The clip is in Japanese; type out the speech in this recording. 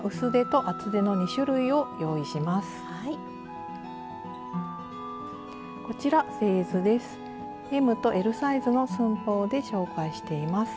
ＭとＬサイズの寸法で紹介しています。